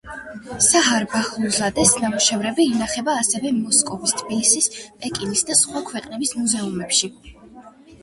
სათარ ბაჰლულზადეს ნამუშევრები ინახება ასევე მოსკოვის, თბილისის, პეკინის და სხვა ქვეყნების მუზეუმებში.